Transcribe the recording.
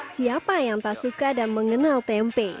siapa yang tak suka dan mengenal tempe